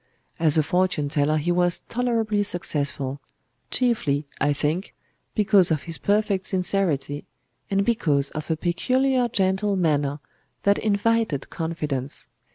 As a fortune teller he was tolerably successful,—chiefly, I think, because of his perfect sincerity, and because of a peculiar gentle manner that invited confidence.